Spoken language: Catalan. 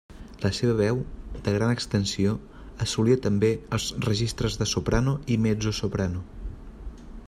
La seva veu de gran extensió assolia també els registres de soprano i mezzosoprano.